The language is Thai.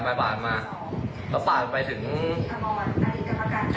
แล้วเค้าก็ด่าอะไรอะบุค